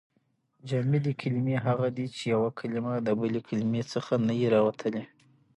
جامدي کلیمې هغه دي، چي یوه کلیمه د بلي کلیمې څخه نه يي راوتلي.